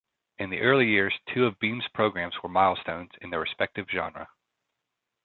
In the early years, two of Beam's programs were milestones in their respective genre.